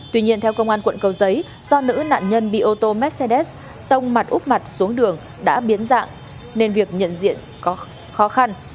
tuy nhiên theo công an quận cầu giấy do nữ nạn nhân bị ô tô mercedes tông mặt úp mặt xuống đường đã biến dạng nên việc nhận diện có khó khăn